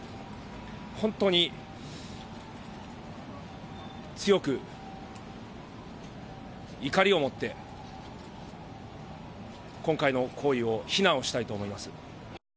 本当に強く怒りをもって今回の行為を非難をしたいと思います。